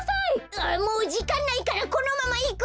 あもうじかんないからこのままいくよ！